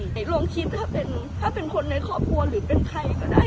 ตกลงคิดถ้าเป็นคนในครอบครัวหรือเป็นใครก็ได้